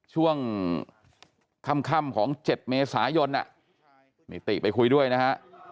ช่วงค่ำของ๗เมษายนนิติไปคุยด้วยนะฮะ